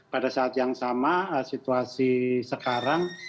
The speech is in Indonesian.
pada saat yang sama situasi sekarang